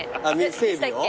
整備を？